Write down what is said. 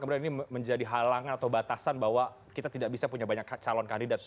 kemudian ini menjadi halangan atau batasan bahwa kita tidak bisa punya banyak calon kandidat